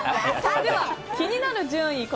では、気になる順位